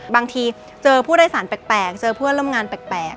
บางทีเจอผู้โดยสารแปลกเจอเพื่อนร่วมงานแปลก